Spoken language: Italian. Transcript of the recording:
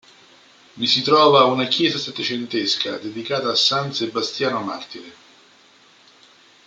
Vi si trova una chiesa settecentesca dedicata a San Sebastiano martire.